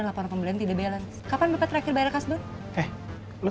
lapan pembelian tidak balance kapan berakhir bayar kasut eh lu